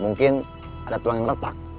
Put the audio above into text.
mungkin ada tulang yang retak